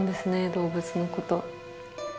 動物のこと。